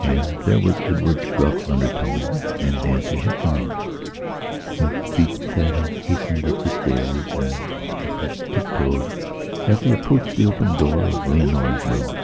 And there was Edward's gruff undertone. Then Nancy had come in, with feet that had hastened up the stairs and that tiptoed as they approached the open door of Leonora's room.